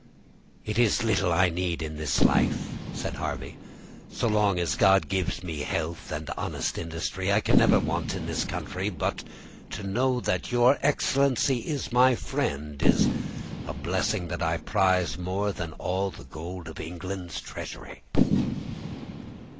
"It is little that I need in this life," said Harvey; "so long as God gives me health and honest industry, I can never want in this country; but to know that your excellency is my friend is a blessing that I prize more than all the gold of England's treasury."